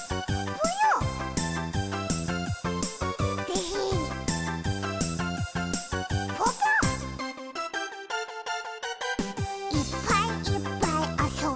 ぽぽ「いっぱいいっぱいあそんで」